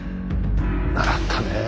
習ったねえ。